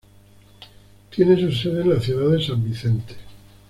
Tiene su sede en la ciudad de San Vicente.